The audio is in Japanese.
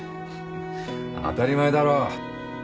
当たり前だろ。